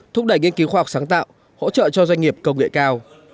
thúc đẩy nghiên cứu khoa học sáng tạo hỗ trợ cho doanh nghiệp công nghệ cao